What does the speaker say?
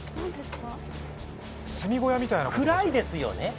暗いですよね。